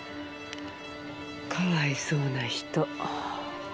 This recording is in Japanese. かわいそうな人。